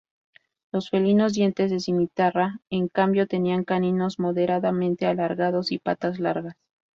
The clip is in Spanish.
Los felinos dientes de cimitarra en cambio tenían caninos moderadamente alargados y patas largas.